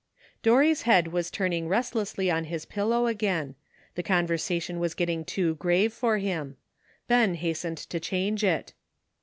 Dorry's head was turning restlessly on his pillow again ; the conversation was getting too grave for him Ben hastened to change it.